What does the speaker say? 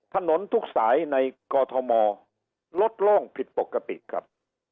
ถนนทุกสายในกอทมลดโล่งผิดปกติครับ